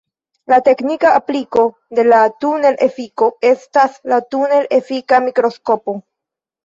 La teknika apliko de la tunel-efiko estas la tunel-efika mikroskopo.